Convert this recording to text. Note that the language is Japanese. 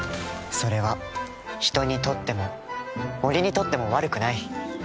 それは人にとっても森にとっても悪くない。